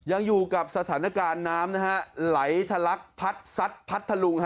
ยังอยู่กับสถานการณ์น้ำนะฮะไหลทะลักพัดซัดพัทธลุง